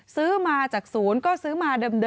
ซื้อมาจากศูนย์ก็ซื้อมาเดิม